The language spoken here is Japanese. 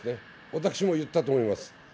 私も言ったと思います。